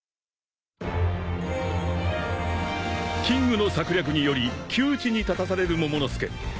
［キングの策略により窮地に立たされるモモの助］